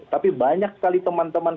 tapi banyak sekali teman teman